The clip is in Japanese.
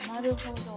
なるほど。